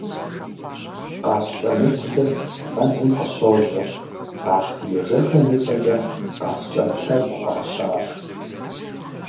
Къаскӏэмыпсыр мэзым къыщожьэ, а псыежэхым и цӏэкӏэ «Къаскӏэм лъэгу» фӏащащ.